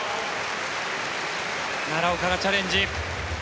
奈良岡がチャレンジ。